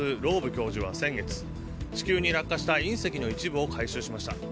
教授は先月、地球に落下した隕石の一部を回収しました。